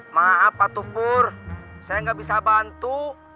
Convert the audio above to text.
maaf pak tukur saya nggak bisa bantu